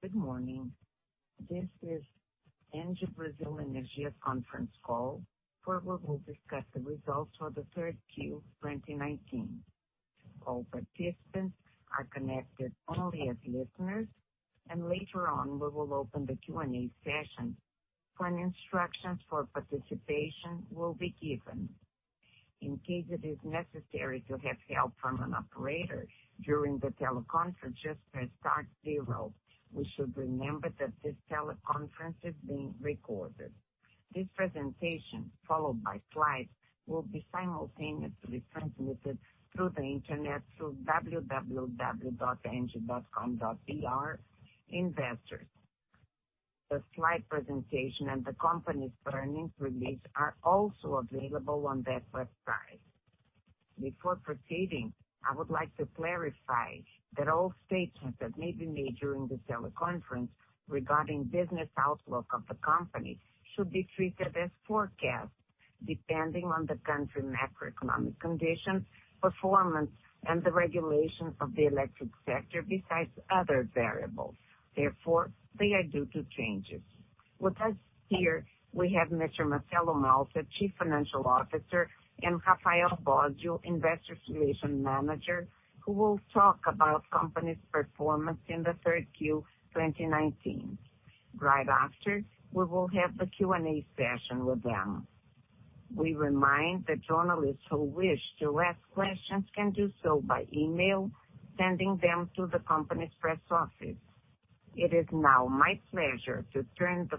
Good morning. This is ENGIE Brasil Energia Conference Call, where we will discuss the results for the third Q 2019. All participants are connected only as listeners, and later on we will open the Q&A session. Instructions for participation will be given. In case it is necessary to have help from an operator during the teleconference, just press star zero. We should remember that this teleconference is being recorded. This presentation, followed by slides, will be simultaneously transmitted through the internet through www.engie.com.br/investors. The slide presentation and the company's earnings release are also available on that website. Before proceeding, I would like to clarify that all statements that may be made during this teleconference regarding the business outlook of the company should be treated as forecasts, depending on the country's macroeconomic conditions, performance, and the regulations of the electric sector, besides other variables. Therefore, they are due to changes. With us here, we have Mr. Marcelo Malta, Chief Financial Officer, and Rafael Bósio, Investor Relations Manager, who will talk about the company's performance in the third Q 2019. Right after, we will have the Q&A session with them. We remind that journalists who wish to ask questions can do so by email, sending them to the company's press office. It is now my pleasure to turn the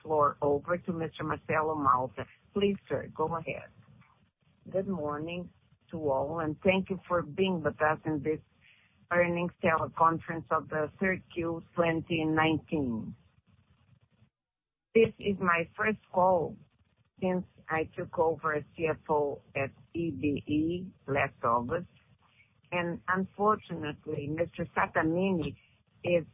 floor over to Mr. Marcelo Malta. Please, sir, go ahead. Good morning to all, and thank you for being with us in this earnings teleconference of the third Q 2019. This is my first call since I took over as CFO at ENGIE Brasil Energia last August, and unfortunately, Mr. Sattamini is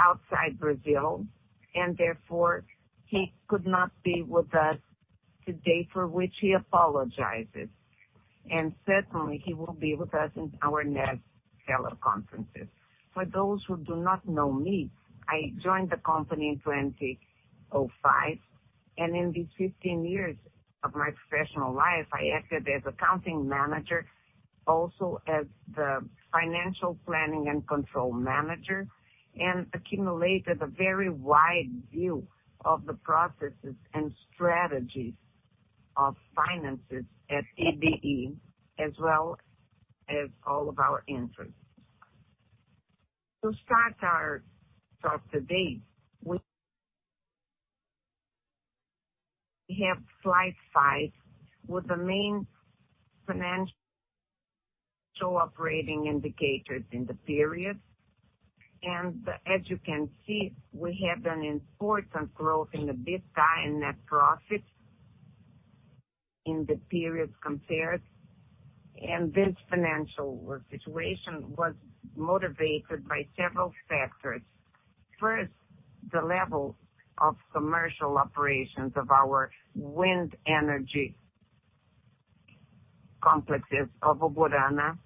outside Brazil, and therefore he could not be with us today, for which he apologizes. Certainly, he will be with us in our next teleconferences. For those who do not know me, I joined the company in 2005, and in these 15 years of my professional life, I acted as Accounting Manager, also as the Financial Planning and Control Manager, and accumulated a very wide view of the processes and strategies of finances at ENGIE Brasil Energia, as well as all of our interests. To start our talk today, we have slide five with the main financial operating indicators in the period. As you can see, we have an important growth in the EBITDA and net profit in the period compared, and this financial situation was motivated by several factors. First, the level of commercial operations of our wind energy complexes of Uburana,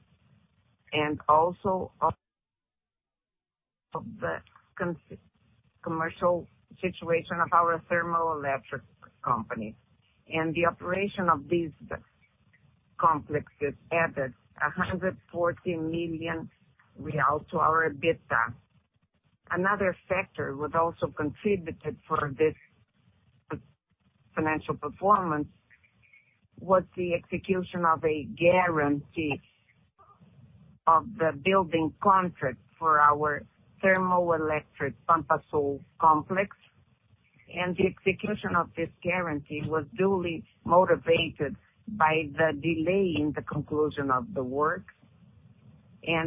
and also of the commercial situation of our thermoelectric company. The operation of these complexes added 140 million real to our EBITDA. Another factor that also contributed to this financial performance was the execution of a guarantee of the building contract for our thermoelectric Pampa Sul complex. The execution of this guarantee was duly motivated by the delay in the conclusion of the work.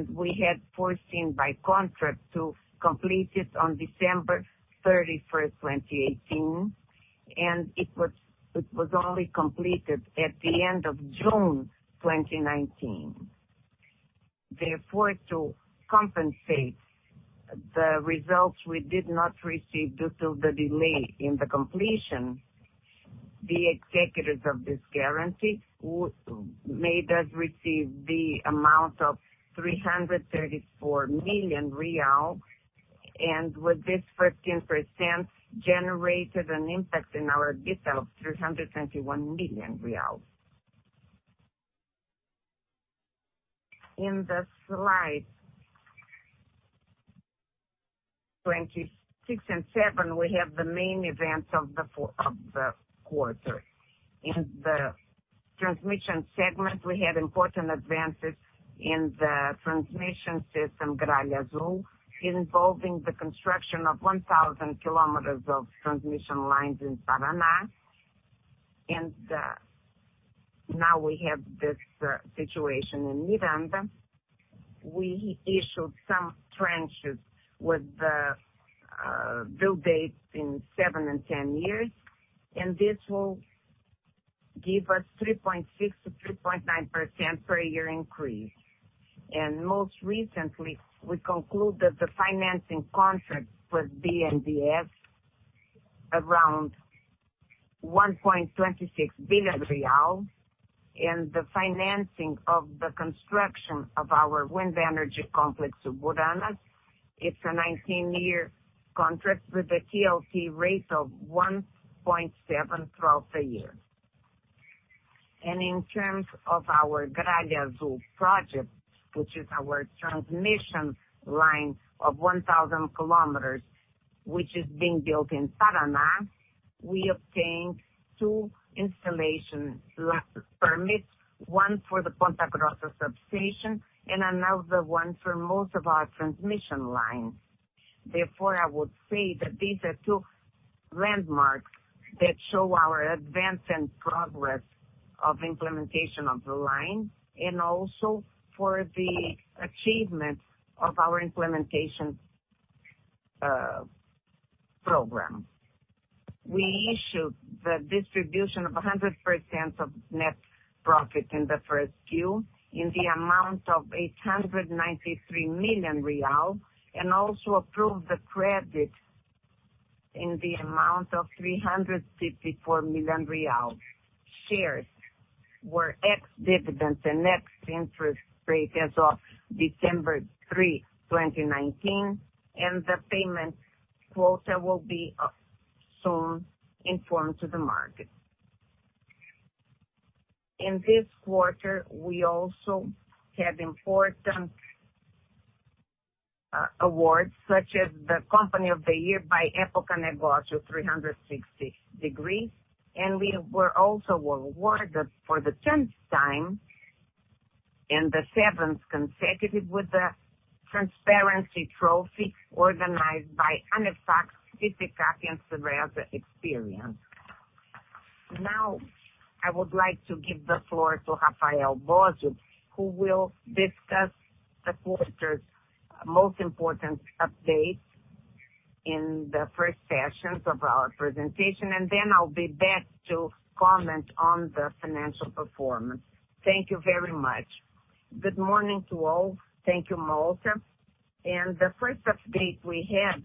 We had foreseen by contract to complete it on December 31st, 2018, and it was only completed at the end of June 2019. Therefore, to compensate the results we did not receive due to the delay in the completion, the execution of this guarantee made us receive the amount of 334 million real, and with this 14%, generated an impact in our EBITDA of 321 million real. In slide 26 and 27, we have the main events of the quarter. In the transmission segment, we had important advances in the transmission system Graal Azul, involving the construction of 1,000 km of transmission lines in Paraná. Now we have this situation in Miranda. We issued some tranches with the due dates in seven and 10 years, and this will give us 3.6-3.9% per year increase. Most recently, we concluded the financing contract with BNDES around 1.26 billion real, and the financing of the construction of our wind energy complex in Uburana, it's a 19-year contract with a TLT rate of 1.7% throughout the year. In terms of our Graal Azul project, which is our transmission line of 1,000 km, which is being built in Paraná, we obtained two installation permits: one for the Ponta Grossa substation and another one for most of our transmission lines. Therefore, I would say that these are two landmarks that show our advance and progress of implementation of the line, and also for the achievement of our implementation program. We issued the distribution of 100% of net profit in the first Q in the amount of 893 million real, and also approved the credit in the amount of 354 million real. Shares were ex-dividends and net interest rate as of December 3, 2019, and the payment quota will be soon informed to the market. In this quarter, we also had important awards such as the Company of the Year by Época Negócios 360°, and we were also awarded for the 10th time and the seventh consecutive with the Transparency Trophy organized by ANEFAC. Now, I would like to give the floor to Rafael Bósio, who will discuss the quarter's most important updates in the first sessions of our presentation, and then I'll be back to comment on the financial performance. Thank you very much. Good morning to all. Thank you Malta. The first update we had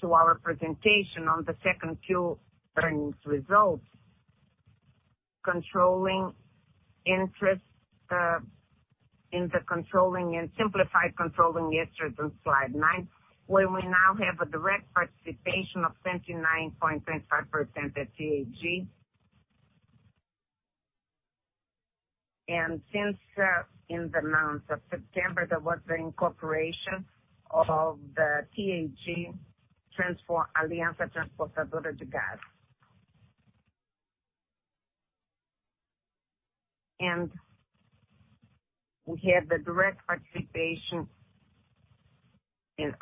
to our presentation on the second Q earnings results, controlling interest in the controlling and simplified controlling yesterday on slide nine, where we now have a direct participation of 29.25% at TAG. Since in the month of September, there was the incorporation of the TAG Transportadora Associada de Gás. We had the direct participation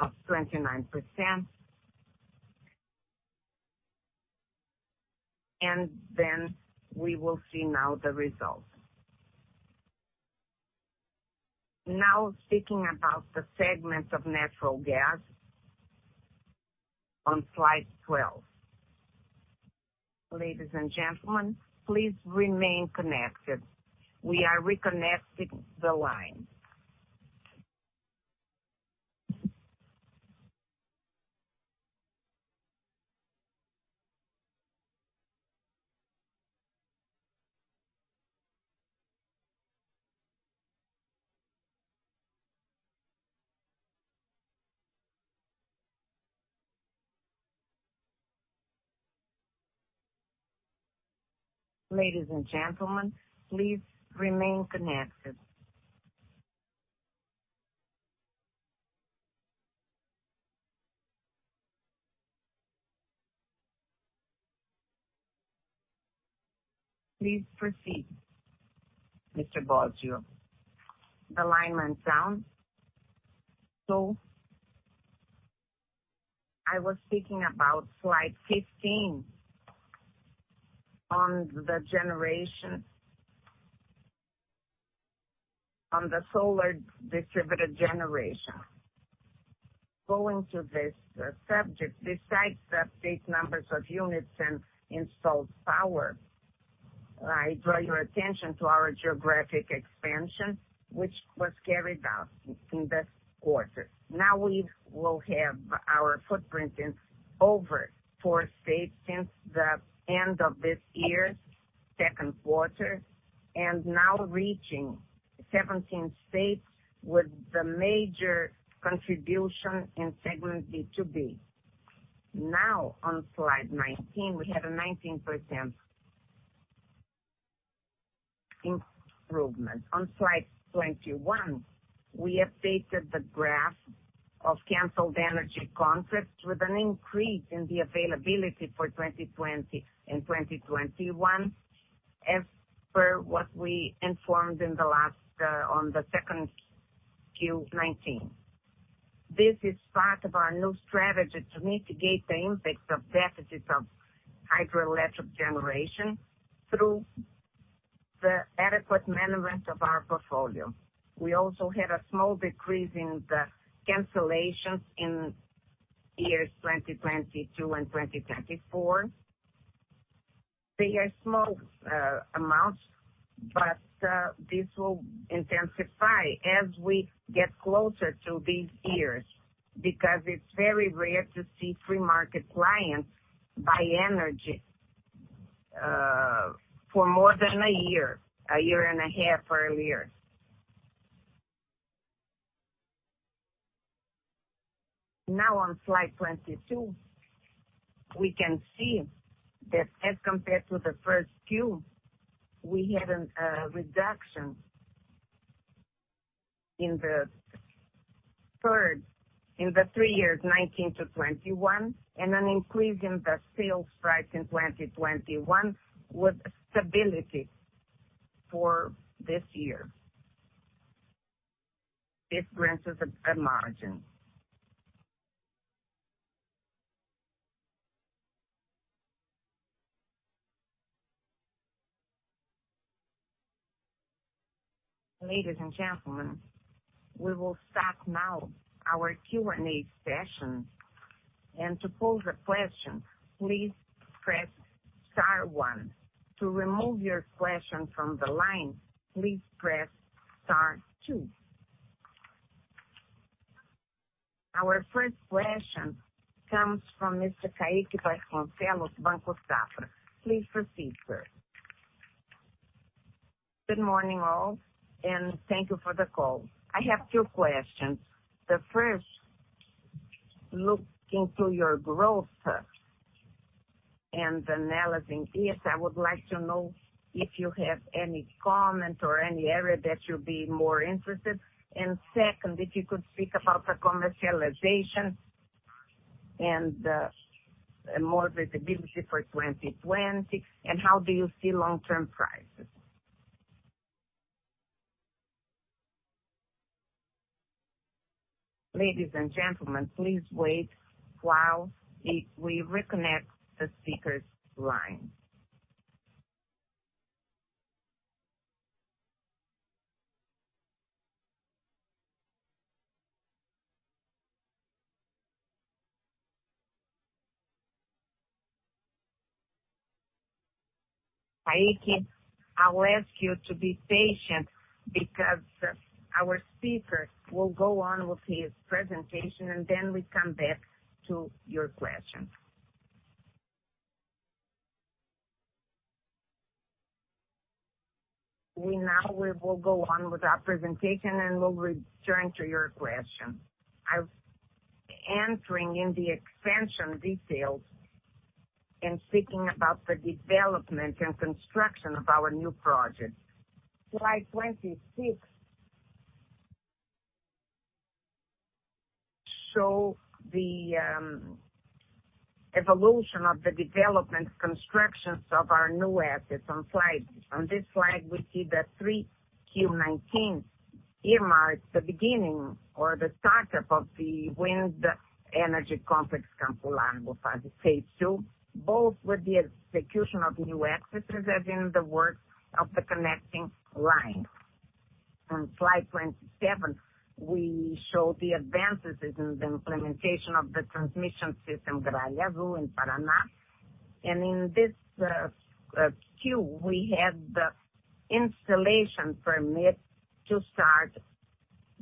of 29%, and then we will see now the results. Now, speaking about the segment of natural gas on slide 12, ladies and gentlemen, please remain connected. We are reconnecting the line. Ladies and gentlemen, please remain connected. Please proceed, Mr. Bósio. The line went down. I was speaking about slide 15 on the solar distributed generation. Going to this subject, besides the update numbers of units and installed power, I draw your attention to our geographic expansion, which was carried out in this quarter. Now we will have our footprint in over four states since the end of this year's second quarter, and now reaching 17 states with the major contribution in segment B2B. Now, on slide 19, we have a 19% improvement. On slide 21, we updated the graph of canceled energy contracts with an increase in the availability for 2020 and 2021, as per what we informed on the second Q 2019. This is part of our new strategy to mitigate the impacts of deficits of hydroelectric generation through the adequate management of our portfolio. We also had a small decrease in the cancellations in years 2022 and 2024. They are small amounts, but this will intensify as we get closer to these years because it is very rare to see free market clients buy energy for more than a year, a year and a half earlier. Now, on slide 22, we can see that as compared to the first Q, we had a reduction in the three years, 2019 to 2021, and an increase in the sales price in 2021 with stability for this year. This brings us a margin. Ladies and gentlemen, we will stop now our Q&A session, and to pose a question, please press star one. To remove your question from the line, please press star two. Our first question comes from Mr. Caíque Villela, Banco Safra. Please proceed, sir. Good morning all, and thank you for the call. I have two questions. The first, looking to your growth and analysis, I would like to know if you have any comment or any area that you'd be more interested in. Second, if you could speak about the commercialization and more visibility for 2020, and how do you see long-term prices. Ladies and gentlemen, please wait while we reconnect the speaker's line. Caíque, I'll ask you to be patient because our speaker will go on with his presentation, and then we come back to your questions. We now will go on with our presentation, and we'll return to your question. Entering in the extension details and speaking about the development and construction of our new project. Slide 26 shows the evolution of the development constructions of our new assets on slide. On this slide, we see the 3Q 2019 earmarked the beginning or the startup of the wind energy complex Campo Largo phase two, both with the execution of new exercises in the work of the connecting line. On slide 27, we show the advances in the implementation of the transmission system Graal Azul in Paraná. In this Q, we had the installation permit to start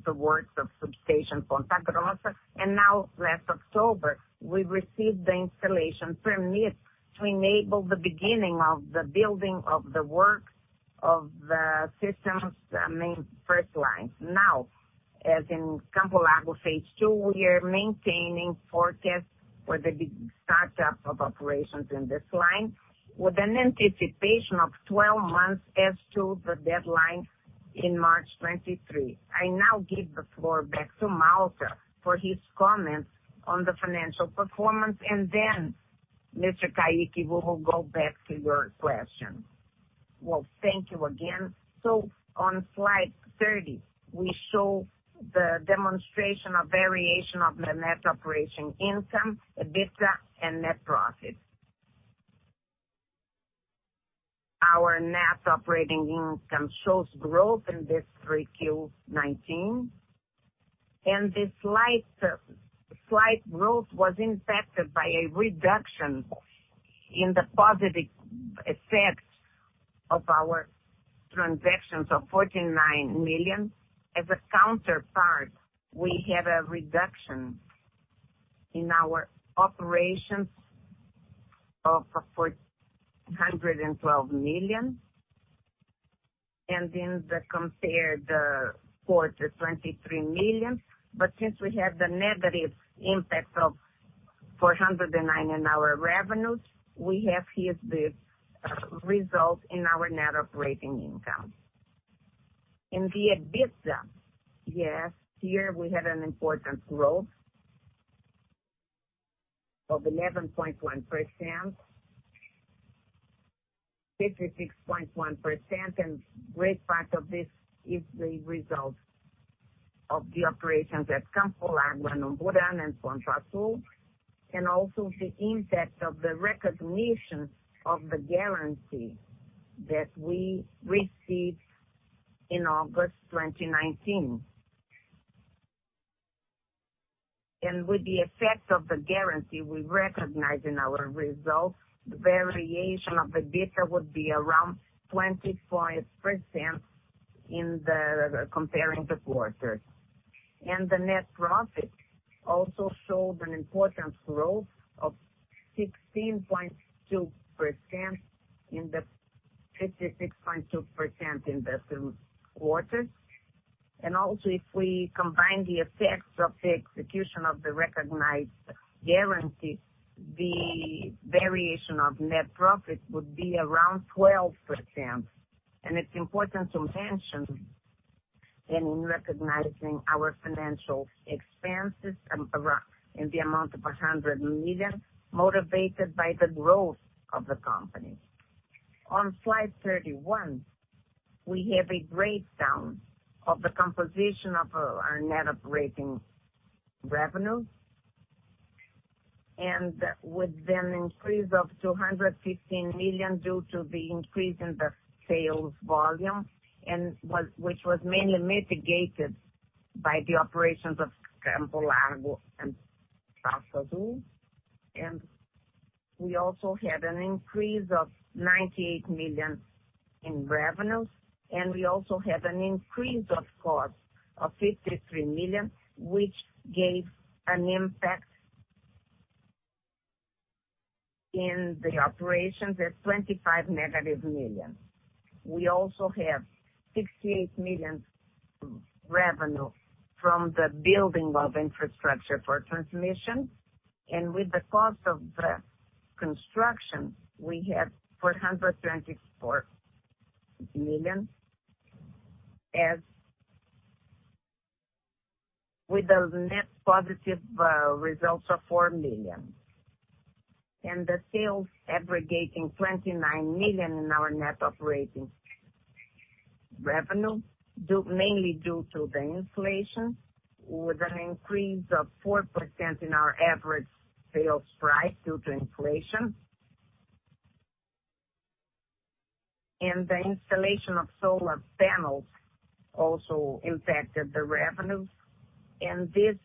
the work of substation Ponta Grossa, and now last October, we received the installation permit to enable the beginning of the building of the work of the system's main first line. Now, as in Campo Largo phase two, we are maintaining forecasts for the startup of operations in this line with an anticipation of 12 months as to the deadline in March 2023. I now give the floor back to Malta for his comments on the financial performance, and then Mr. Caíque will go back to your question. Thank you again. On slide 30, we show the demonstration of variation of the net operation income, EBITDA, and net profit. Our net operating income shows growth in this three Q 2019, and this slight growth was impacted by a reduction in the positive effects of our transactions of 49 million. As a counterpart, we have a reduction in our operations of 412 million, and then the compared for the 23 million. Since we had the negative impact of 409 million in our revenues, we have here the result in our net operating income. In the EBITDA, yes, here we had an important growth of 11.1%, 56.1%, and a great part of this is the result of the operations at Campo Largo, Uburana, and Pampa Sul, and also the impact of the recognition of the guarantee that we received in August 2019. With the effect of the guarantee we recognize in our results, the variation of EBITDA would be around 25% in the comparing quarters. The net profit also showed an important growth of 16.2% and 56.2% in the quarters. If we combine the effects of the execution of the recognized guarantee, the variation of net profit would be around 12%. It is important to mention that in recognizing our financial expenses in the amount of 400 million, motivated by the growth of the company. On slide 31, we have a breakdown of the composition of our net operating revenue, with an increase of 215 million due to the increase in the sales volume, which was mainly mitigated by the operations of Campo Largo and Graal Azul. We also had an increase of 98 million in revenues, and we also had an increase of cost of 53 million, which gave an impact in the operations at BRL - 25 million. We also have 68 million revenue from the building of infrastructure for transmission, and with the cost of the construction, we had BRL 424 million with a net positive result of 4 million. The sales aggregating 29 million in our net operating revenue, mainly due to the inflation, with an increase of 4% in our average sales price due to inflation. The installation of solar panels also impacted the revenues, and this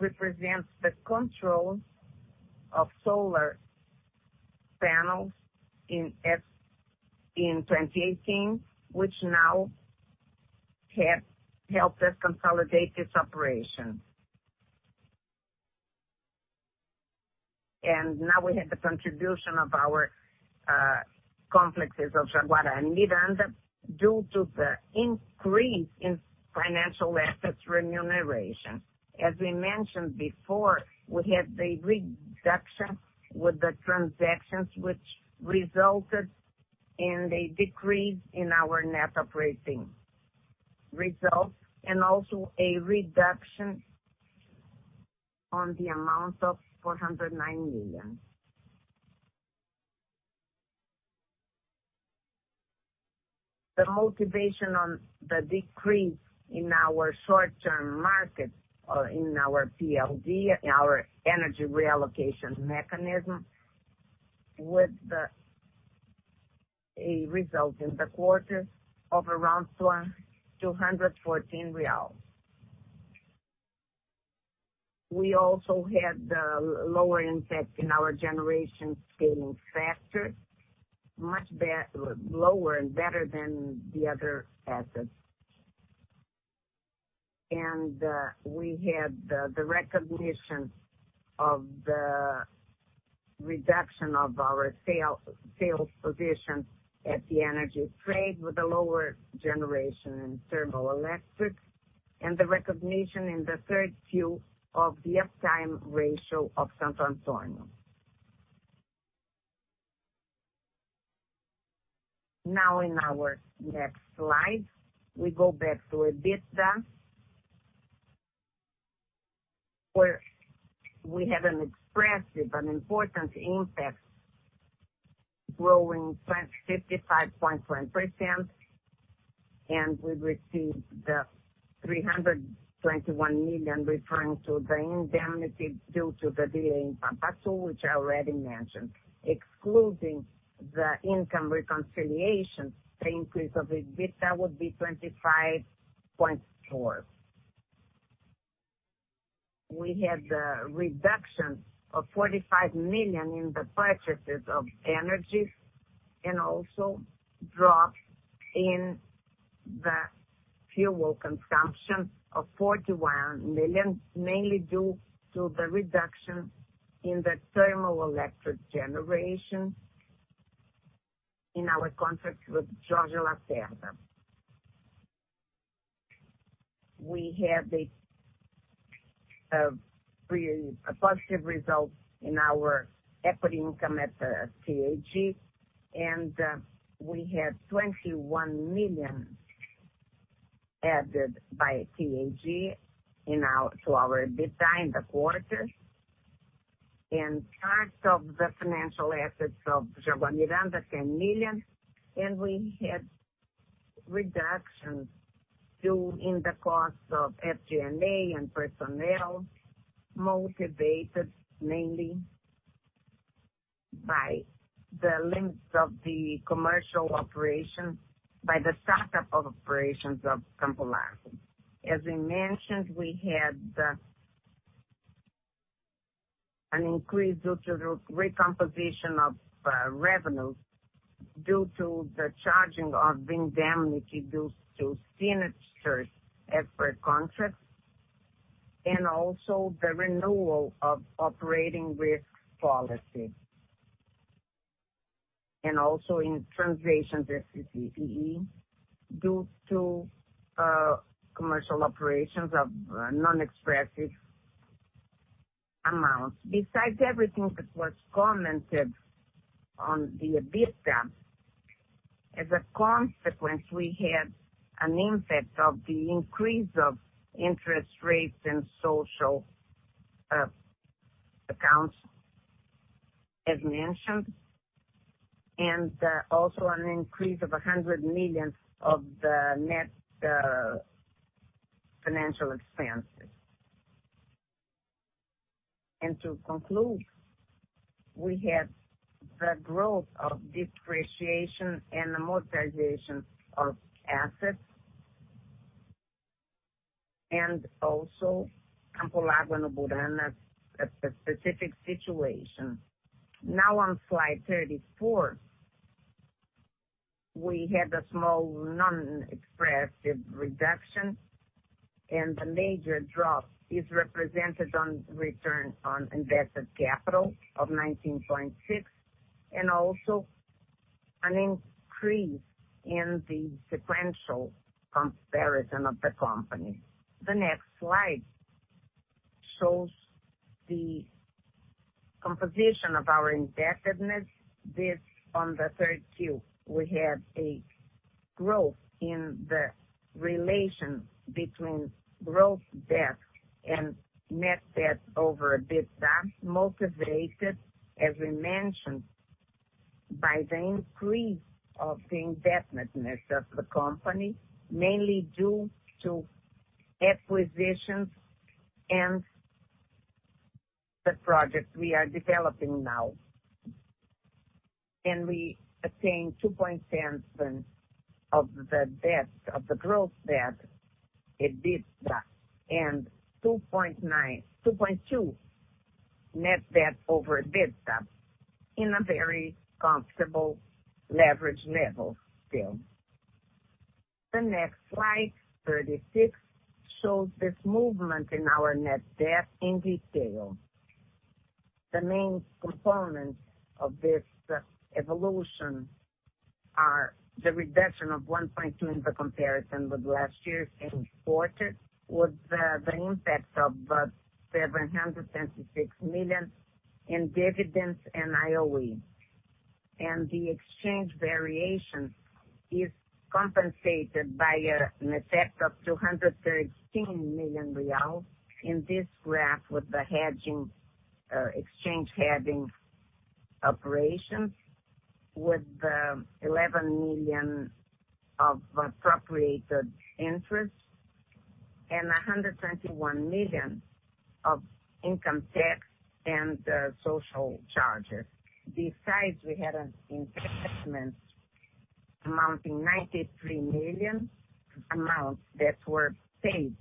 represents the control of solar panels in 2018, which now helped us consolidate this operation. Now we have the contribution of our complexes of Jaguara and Miranda due to the increase in financial assets remuneration. As we mentioned before, we had the reduction with the transactions, which resulted in a decrease in our net operating result, and also a reduction on the amount of 409 million. The motivation on the decrease in our short-term market or in our PLD, our energy reallocation mechanism, with a result in the quarter of around 214 real. We also had the lower impact in our generation scaling factor, much lower and better than the other assets. We had the recognition of the reduction of our sales position at the energy trade with a lower generation in thermoelectric, and the recognition in the third Q of the uptime ratio of San Antonio. Now, in our next slide, we go back to EBITDA, where we have an expressive and important impact, growing 55.1%, and we received the 321 million referring to the indemnity due to the delay in Pampa Sul, which I already mentioned. Excluding the income reconciliation, the increase of EBITDA would be 25.4%. We had the reduction of 45 million in the purchases of energy and also a drop in the fuel consumption of 41 million, mainly due to the reduction in the thermoelectric generation in our contracts with Jorge Lacerda. We had a positive result in our equity income at the TAG, and we had 21 million added by TAG to our EBITDA in the quarter, and parts of the financial assets of Jaguara Miranda, 10 million. We had reductions due in the cost of FG&A and personnel, motivated mainly by the limits of the commercial operations, by the startup operations of Campo Largo. As we mentioned, we had an increase due to the recomposition of revenues due to the charging of indemnity due to signatures as per contracts, and also the renewal of operating risk policy. Also in transactions as CCEE due to commercial operations of non-expressive amounts. Besides everything that was commented on the EBITDA, as a consequence, we had an impact of the increase of interest rates and social accounts, as mentioned, and also an increase of 100 million of the net financial expenses. To conclude, we had the growth of depreciation and amortization of assets, and also Campo Largo and Uburana, a specific situation. Now, on slide 34, we had a small non-expressive reduction, and the major drop is represented on return on invested capital of 19.6%, and also an increase in the sequential comparison of the company. The next slide shows the composition of our indebtedness. This on the third Q, we had a growth in the relation between gross debt and net debt over EBITDA, motivated, as we mentioned, by the increase of the indebtedness of the company, mainly due to acquisitions and the projects we are developing now. We attained 2.7% of the debt, of the gross debt, EBITDA, and 2.2% net debt over EBITDA in a very comfortable leverage level still. The next slide, 36, shows this movement in our net debt in detail. The main components of this evolution are the reduction of 1.2% in the comparison with last year's same quarter, with the impact of 776 million in dividends and IOE. The exchange variation is compensated by an effect of 213 million real in this graph with the exchange-hedging operations, with 11 million of appropriated interest, and 121 million of income tax and social charges. Besides, we had an investment amounting 93 million, amounts that were paid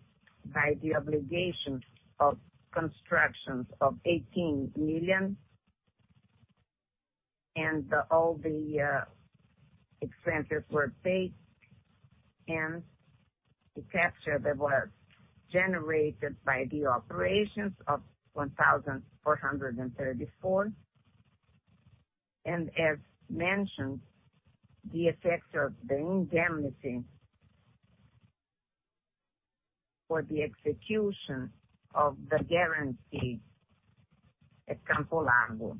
by the obligation of constructions of 18 million, and all the expenses were paid, and the capture that was generated by the operations of 1,434. As mentioned, the effect of the indemnity for the execution of the guarantee at Campo Largo.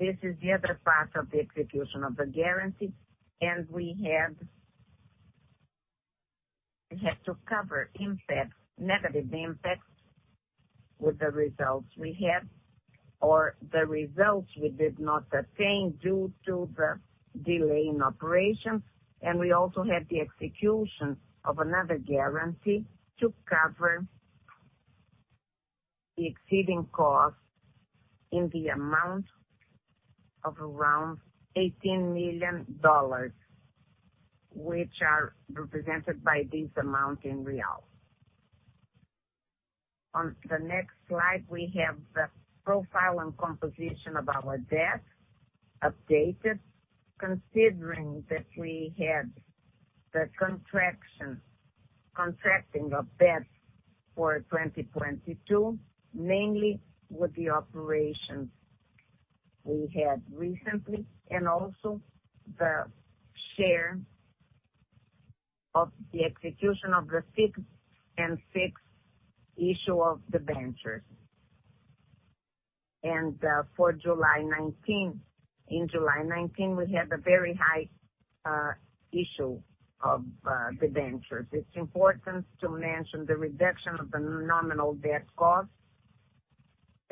This is the other part of the execution of the guarantee, and we had to cover negative impacts with the results we had, or the results we did not attain due to the delay in operations. We also had the execution of another guarantee to cover the exceeding cost in the amount of around $18 million, which are represented by this amount in BRL. On the next slide, we have the profile and composition of our debt updated, considering that we had the contracting of debt for 2022, mainly with the operations we had recently, and also the share of the execution of the sixth and sixth issue of debentures. For July 19, in July 19, we had a very high issue of debentures. It's important to mention the reduction of the nominal debt cost,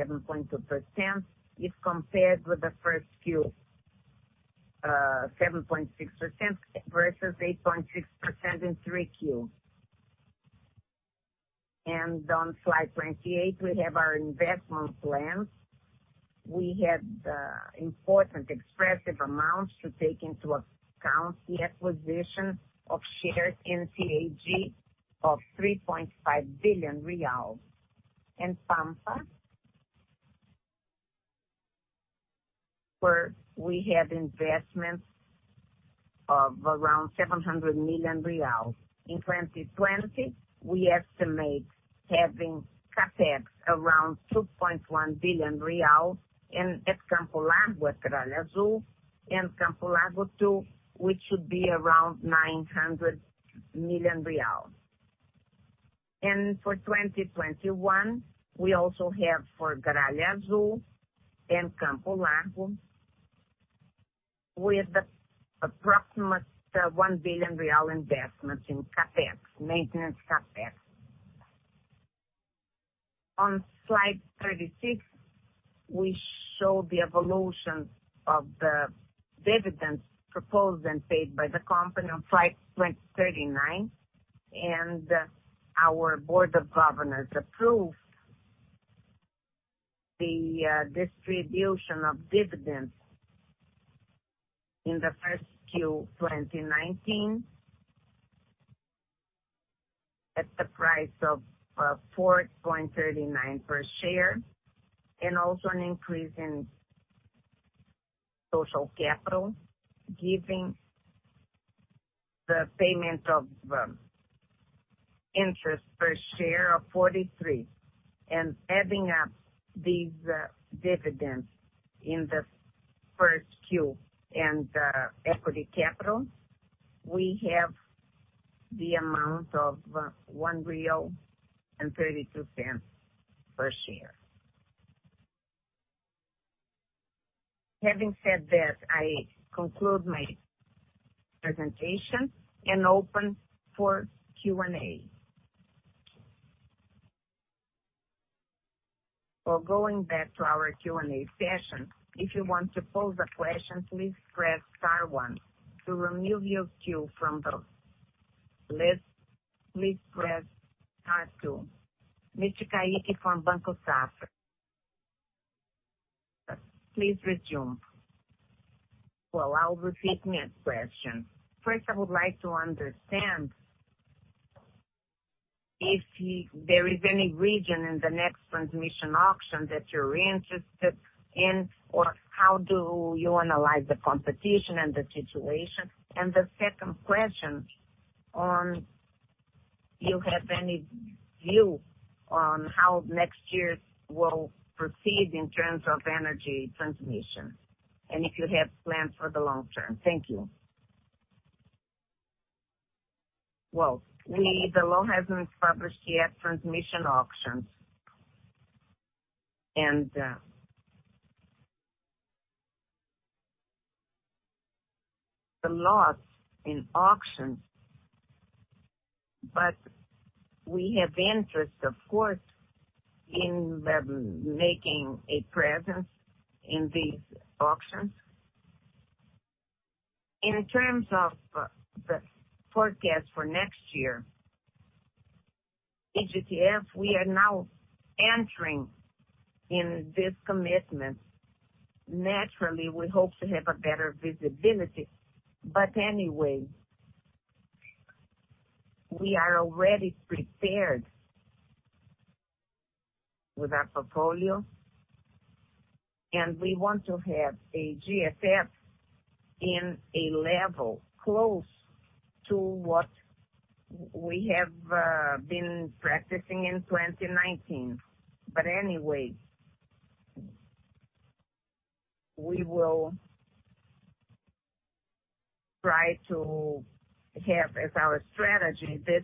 7.2%, if compared with the first Q, 7.6% versus 8.6% in three Q. On slide 28, we have our investment plans. We had important expressive amounts to take into account, the acquisition of shares in TAg of BRL 3.5 billion. In Pampa Sul, we had investments of around 700 million reais. In 2020, we estimate having CapEx around 2.1 billion real at Campo Largo, at Graal Azul, and Campo Largo Phase 2, which should be around 900 million real. For 2021, we also have for Graal Azul and Campo Largo, with approximate 1 billion real investments in CapEx, maintenance CapEx. On slide 36, we show the evolution of the dividends proposed and paid by the company. On slide 39, our board of governors approved the distribution of dividends in the first Q 2019 at the price of 4.39 per share, and also an increase in social capital, giving the payment of interest per share of 0.43. Adding up these dividends in the first Q and equity capital, we have the amount of 1.32 real per share. Having said that, I conclude my presentation and open for Q&A. Going back to our Q&A session, if you want to pose a question, please press star one. To remove your cue from the list, please press star two. Mr. Caíque from Banco Safra, please resume. I'll repeat my question. First, I would like to understand if there is any region in the next transmission auction that you're interested in, or how do you analyze the competition and the situation. The second question, do you have any view on how next year will proceed in terms of energy transmission, and if you have plans for the long term? Thank you. The law has not published yet transmission auctions, and the loss in auctions, but we have interest, of course, in making a presence in these auctions. In terms of the forecast for next year, EGTF, we are now entering in this commitment. Naturally, we hope to have a better visibility, but anyway, we are already prepared with our portfolio, and we want to have a GFF in a level close to what we have been practicing in 2019. Anyway, we will try to have as our strategy this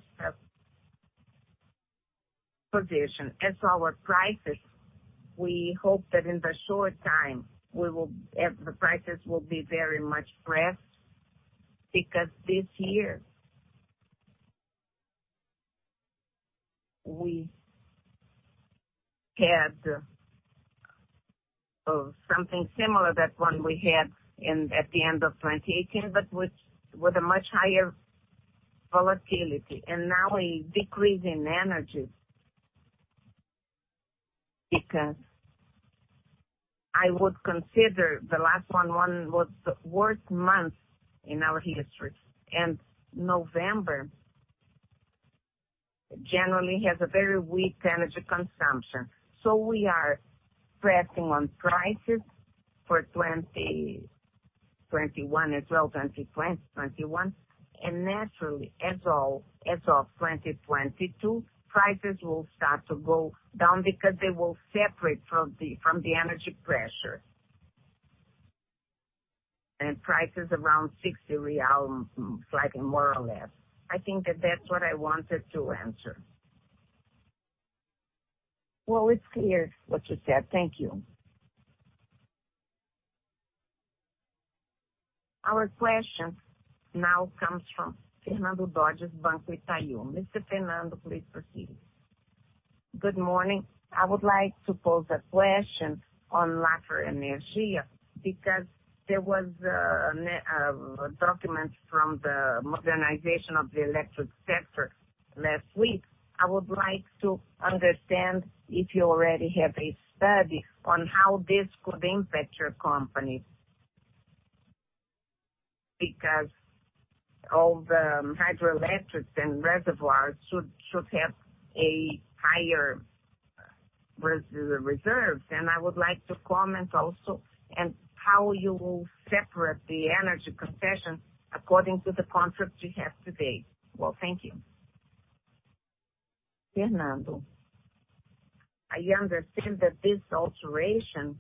position. As our prices, we hope that in the short time, the prices will be very much pressed because this year we had something similar to what we had at the end of 2018, but with much higher volatility. Now a decrease in energy because I would consider the last one was the worst month in our history, and November generally has very weak energy consumption. We are pressing on prices for 2021 as well, 2020, 2021. Naturally, as of 2022, prices will start to go down because they will separate from the energy pressure, and prices around 60 real, slightly more or less. I think that is what I wanted to answer. It is clear what you said. Thank you. Our question now comes from Fernando Diz, Banco Itaú. Mr. Fernando, please proceed. Good morning. I would like to pose a question on Laffer Energia because there was a document from the modernization of the electric sector last week. I would like to understand if you already have a study on how this could impact your company because all the hydroelectrics and reservoirs should have a higher reserve. I would like to comment also on how you will separate the energy concession according to the contract you have today. Thank you. Fernando. I understand that this alteration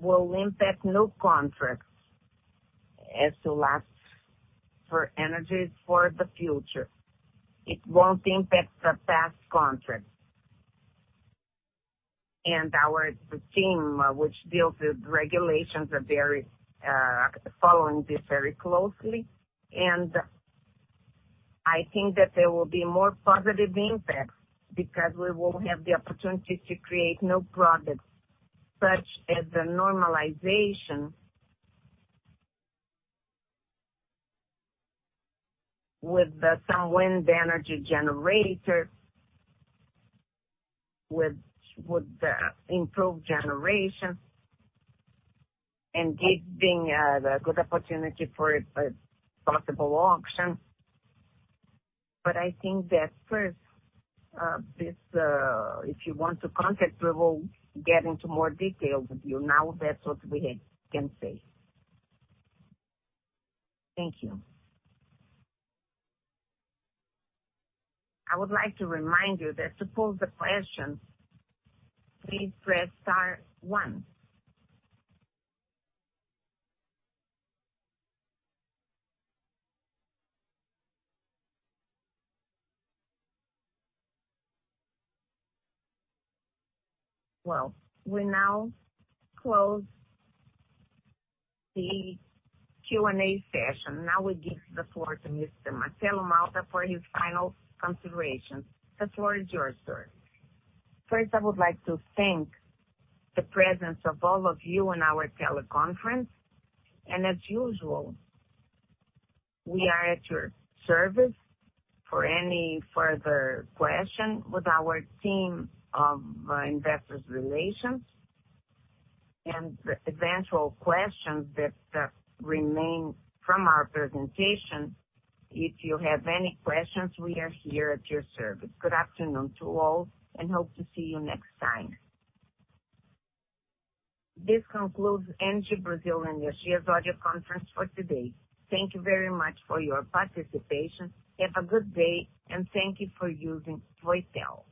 will impact new contracts as to last for energy for the future. It won't impact the past contracts. Our team, which deals with regulations, are following this very closely. I think that there will be more positive impacts because we will have the opportunity to create new products such as the normalization with some wind energy generators with improved generation and giving a good opportunity for a possible auction. I think that first, if you want to contact, we will get into more detail with you. That is what we can say. Thank you. I would like to remind you that to pose the question, please press star one. We now close the Q&A session. We give the floor to Mr. Marcelo Malta for his final considerations. The floor is yours, sir. First, I would like to thank the presence of all of you in our teleconference. As usual, we are at your service for any further questions with our team of investor relations. The eventual questions that remain from our presentation, if you have any questions, we are here at your service. Good afternoon to all and hope to see you next time. This concludes ENGIE Brasil Energia's audio conference for today. Thank you very much for your participation. Have a good day, and thank you for using Voitelo.